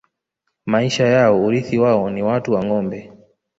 Maisha yao Urithi wao ni watu na Ngombe